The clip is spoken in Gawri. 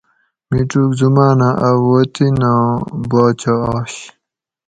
مڄوگ زمانہ ا وطناں باچہ آش